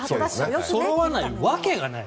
そろわないわけがない。